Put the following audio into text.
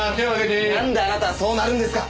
なんであなたはそうなるんですか！